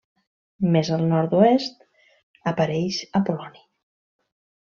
Més al nord-oest apareix Apol·loni.